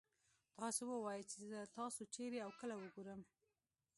تاسو ووايئ چې زه تاسو چېرې او کله وګورم.